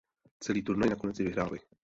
Celý turnaj nakonec i vyhráli.